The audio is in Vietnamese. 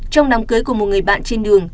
trong đám cưới của một người bạn trên đường